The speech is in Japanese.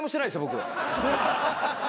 僕。